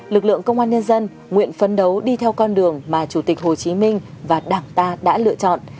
lực lượng công an nhân dân nguyện phấn đấu đi theo con đường mà chủ tịch hồ chí minh và đảng ta đã lựa chọn